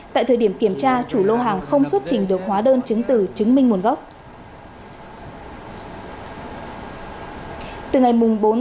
tại thời điểm kiểm tra chủ lô hàng không xuất trình được hóa đơn chứng tử chứng minh nguồn gốc